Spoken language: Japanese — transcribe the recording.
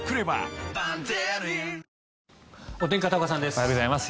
おはようございます。